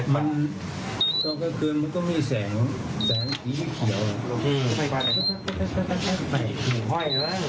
มันตอนกลางเกินมันก็มีแสงสีเขียว